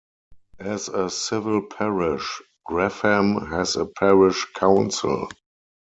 As a civil parish, Grafham has a parish council.